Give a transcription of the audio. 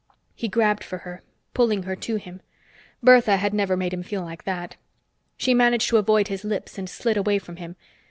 He grabbed for her, pulling her to him. Bertha had never made him feel like that. She managed to avoid his lips and slid away from him.